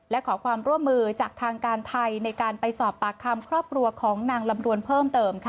และขอความร่วมมือจากทางการไทยในการไปสอบปากคำครอบครัวของนางลำดวนเพิ่มเติมค่ะ